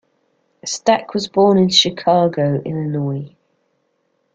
Stack was born in Chicago, Illinois.